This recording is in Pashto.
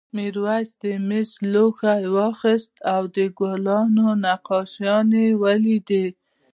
میرويس مسي لوښی واخیست او د ګلانو نقشونه ولیدل.